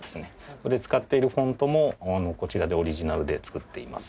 ここで使っているフォントもこちらでオリジナルで作っています。